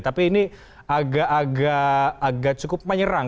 tapi ini agak cukup menyerang